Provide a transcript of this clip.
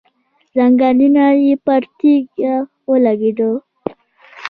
ځنګنونه یې پر تيږو ولګېدل.